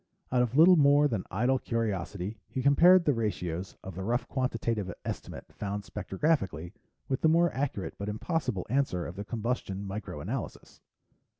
Out of little more than idle curiosity, he compared the ratios of the rough quantitative estimate found spectrographically with the more accurate but impossible answer of the combustion micro analysis.